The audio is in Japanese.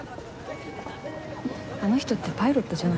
あの人ってパイロットじゃないの？